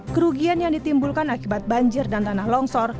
kerugian yang ditimbulkan akibat banjir dan tanah longsor